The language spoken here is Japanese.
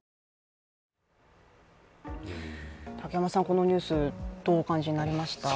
このニュース、どうお感じになりました？